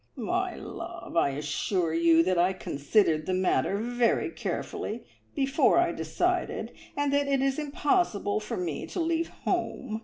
"My love, I assure you that I considered the matter very carefully before I decided, and it is impossible for me to leave home.